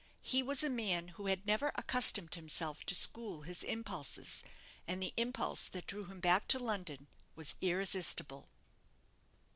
He was a man who had never accustomed himself to school his impulses; and the impulse that drew him back to London was irresistible.